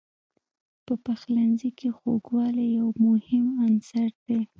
په پخلنځي کې خوږوالی یو مهم عنصر دی.